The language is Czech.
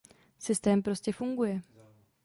Systém prostě funguje.